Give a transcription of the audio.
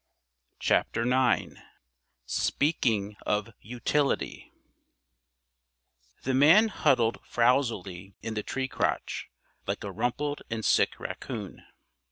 CHAPTER IX SPEAKING OF UTILITY The man huddled frowzily in the tree crotch, like a rumpled and sick raccoon.